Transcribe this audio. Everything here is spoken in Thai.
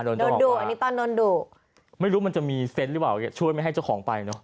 โดนดุอันนี้ตอนโดนดุไม่รู้มันจะมีเซนต์หรือเปล่าช่วยไม่ให้เจ้าของไปเนอะ